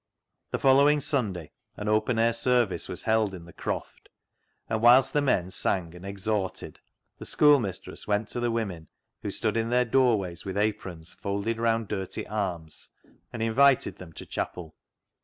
The following Sunday an open air service was held in the Croft, and whilst the men sang and exhorted, the schoolmistress went to the women, who stood in their doorways with aprons folded round dirty arms, and invited them to chapel.